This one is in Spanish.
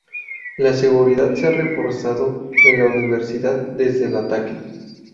La seguridad se ha reforzado en la universidad desde el ataque.